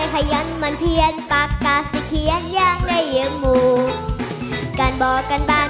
ก็อย่าปกตินะครับ